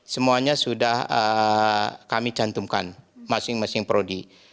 semuanya sudah kami cantumkan masing masing prodi